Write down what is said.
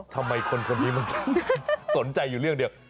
ทำไมคนนี้สนใจอยู่เรื่องเดียว